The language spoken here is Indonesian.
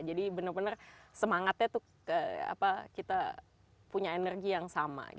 jadi benar benar semangatnya itu kita punya energi yang sama